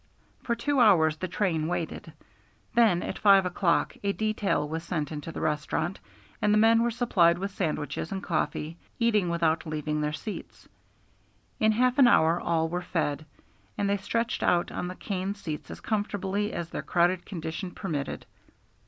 For two hours the train waited. Then, at five o'clock, a detail was sent into the restaurant, and the men were supplied with sandwiches and coffee, eating without leaving their seats. In half an hour all were fed, and they stretched out on the cane seats as comfortably as their crowded condition permitted.